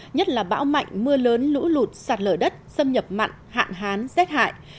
nhất là bão mạnh mưa lớn lũ lụt sạt lở đất xâm nhập mặn hạn hán rét hại